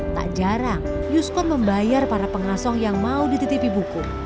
tak jarang yuskon membayar para pengasong yang mau dititipi buku